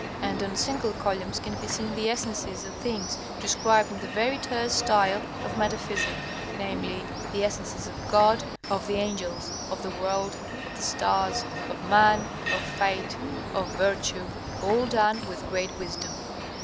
And on single columns can be seen the essences of things described in the very terse style of Metaphysic viz., the essences of God, of the angels, of the world, of the stars, of man, of fate, of virtue, all done with great wisdom.